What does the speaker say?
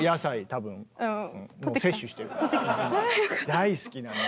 大好きなんで。